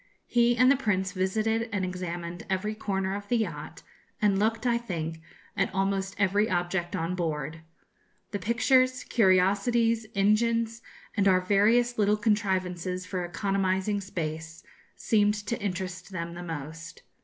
He and the Prince visited and examined every corner of the yacht, and looked, I think, at almost every object on board. The pictures, curiosities, engines, and our various little contrivances for economising space, seemed to interest them the most.